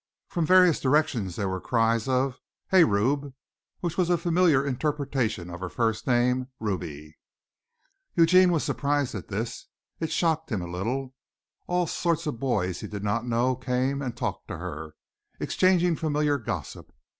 From various directions there were cries of "Hey! Rube!" which was a familiar interpretation of her first name, Ruby. Eugene was surprised at this it shocked him a little. All sorts of boys he did not know came and talked to her, exchanging familiar gossip.